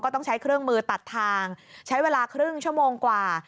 ต้องใช้เครื่องมือตัดทางใช้เวลาครึ่งชั่วโมงกว่า